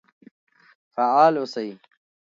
فعال اوسئ.